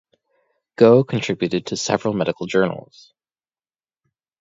Gough contributed to several medical journals.